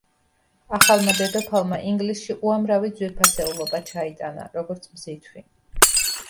ახალმა დედოფალმა ინგლისში უამრავი ძვირფასეულობა ჩაიტანა, როგორც მზითვი.